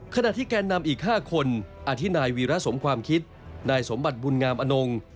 ขณะที่แกนนำอีก๕คนอธินายวีระสมความคิดนายสมบัติบุญงามอนง